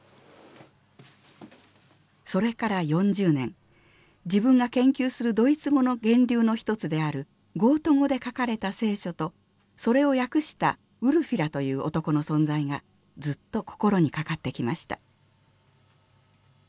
それから４０年自分が研究するドイツ語の源流の一つであるゴート語で書かれた聖書とそれを訳したウルフィラという男の存在がずっと心にかかってきました。